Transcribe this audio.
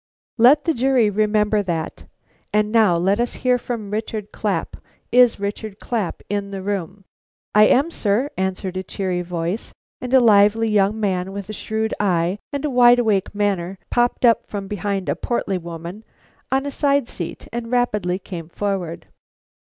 "Let the jury remember that. And now let us hear from Richard Clapp. Is Richard Clapp in the room?" "I am, sir," answered a cheery voice; and a lively young man with a shrewd eye and a wide awake manner popped up from behind a portly woman on a side seat and rapidly came forward.